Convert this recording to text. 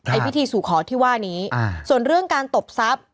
พิธีสู่ขอที่ว่านี้ส่วนเรื่องการตบทรัพย์